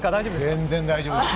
全然、大丈夫。